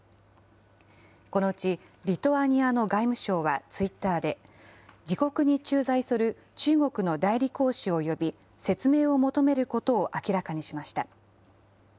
このうちリトアニアの外務省はツイッターで、自国に駐在する中国の代理公使を呼び、説明を求めることを明らかにしました。